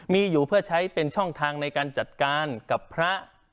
มีอยู่เพื่อใช้เป็นช่องทางในการจัดการกับพระ